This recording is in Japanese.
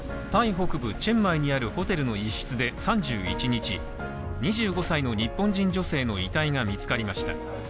北部チェンマイにあるホテルの一室で３１日２５歳の日本人女性の遺体が見つかりました。